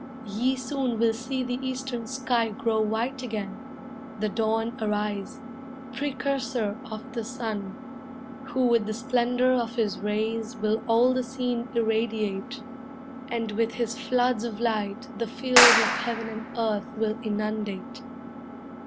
Ye soon will see the eastern sky Grow white again, the dawn arise, Precursor of the sun, Who with the splendor of his rays Will all the scene irradiate, And with his floods of light The fields of heaven and earth will inundate.